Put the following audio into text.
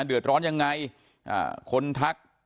เดือดร้อนยังไงคนทัก